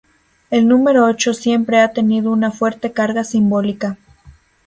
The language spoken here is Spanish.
El número ocho siempre ha tenido una fuerte carga simbólica.